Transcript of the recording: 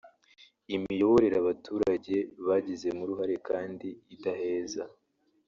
imiyoborere abaturage bagizemo uruhare kandi idaheza